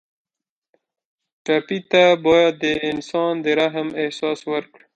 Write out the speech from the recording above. ټپي ته باید د انسان د رحم احساس ورکړو.